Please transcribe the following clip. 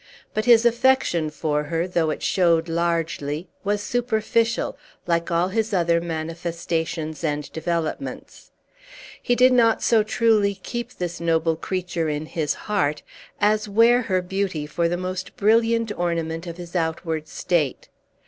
But his affection for her, though it showed largely, was superficial, like all his other manifestations and developments; he did not so truly keep this noble creature in his heart, as wear her beauty for the most brilliant ornament of his outward state.